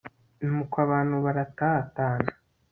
nuko abantu baratatana